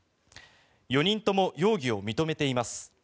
４人とも容疑を認めています。